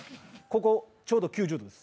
ここ、ちょうど９０度です。